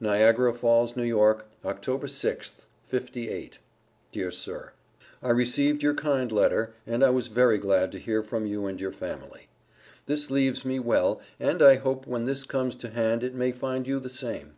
NIAGARA FALLS, N.Y., Oct. 6th, '58. DEAR SIR: I received your kind letter and I was very glad to hear from you and your family. This leaves me well, and I hope when this comes to hand it may find you the same.